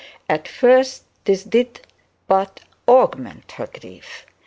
At first this did not augment her grief!